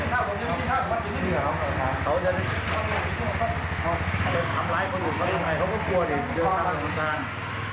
เยอะครับอาหารสร้าง